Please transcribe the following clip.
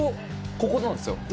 ここなんすよ。